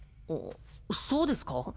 そうですか？